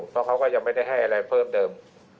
เพราะเขาก็ยังไม่ได้ให้อะไรเพิ่มเติม